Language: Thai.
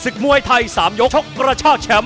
มวยไทย๓ยกชกกระชากแชมป์